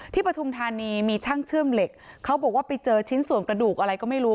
ปฐุมธานีมีช่างเชื่อมเหล็กเขาบอกว่าไปเจอชิ้นส่วนกระดูกอะไรก็ไม่รู้